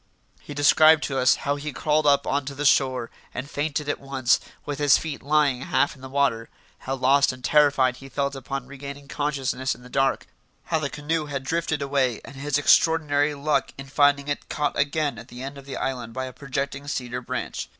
He described to us how he crawled up on to the shore, and fainted at once, with his feet lying half in the water; how lost and terrified he felt upon regaining consciousness in the dark; how the canoe had drifted away and his extraordinary luck in finding it caught again at the end of the island by a projecting cedar branch.